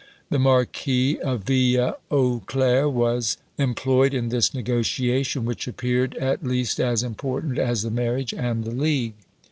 The Marquis of Ville aux Clers was employed in this negotiation, which appeared at least as important as the marriage and the league.